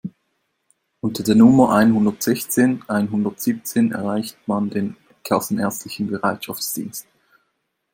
Unter der Nummer einhundertsechzehn einhundertsiebzehn erreicht man den kassenärztlichen Bereitschaftsdienst.